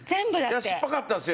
いやすっぱかったですよ。